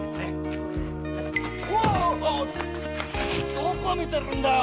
どこ見てるんだよ！